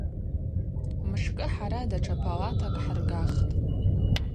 Мшкӏы хӏара датша палатакӏ хӏыргахтӏ.